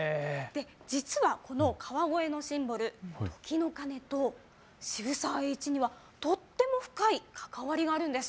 実はこの川越のシンボル時の鐘と渋沢栄一にはとっても深い関わりがあるんです。